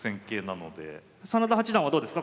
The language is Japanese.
真田八段はどうですか？